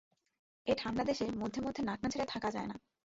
এ ঠাণ্ডা দেশে মধ্যে মধ্যে নাক না ঝেড়ে থাকা যায় না।